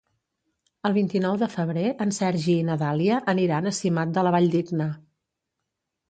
El vint-i-nou de febrer en Sergi i na Dàlia aniran a Simat de la Valldigna.